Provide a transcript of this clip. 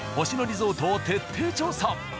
星野リゾートを徹底調査。